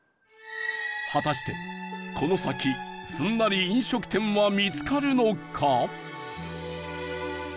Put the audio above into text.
果たしてこの先すんなり飲食店は見つかるのか？